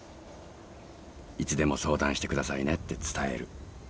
いつでも相談してくださいねって伝える。